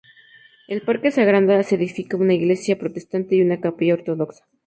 El parque se agranda, se edifica una iglesia protestante y una capilla ortodoxa.